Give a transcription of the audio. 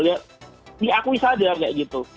ya diakui saja kayak gitu